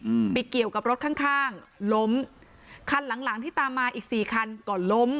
อืมไปเกี่ยวกับรถข้างข้างล้มคันหลังหลังที่ตามมาอีกสี่คันก่อนล้ม